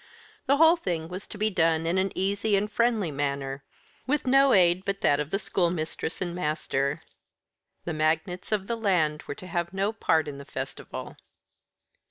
The whole thing was to be done in an easy and friendly manner; with no aid but that of the school mistress and master. The magnates of the land were to have no part in the festival.